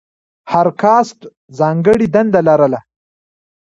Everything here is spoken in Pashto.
هر کاسټ ځانګړې دنده لرله.